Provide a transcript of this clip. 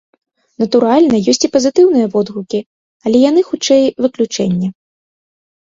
Натуральна, ёсць і пазітыўныя водгукі, але яны, хутчэй, выключэнне.